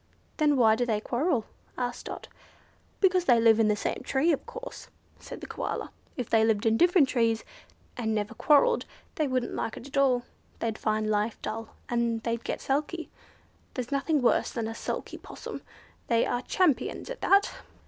"Then why do they quarrel?" asked Dot. "Because they live in the same tree of course," said the Koala. "If they lived in different trees, and never quarrelled, they wouldn't like it at all. They'd find life dull, and they'd get sulky. There's nothing worse than a sulky possum. They are champions at that."